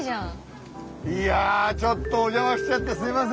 いやあちょっとお邪魔しちゃってすいません。